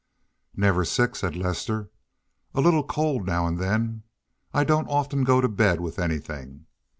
"Never sick," said Lester. "A little cold now and then. I don't often go to bed with anything.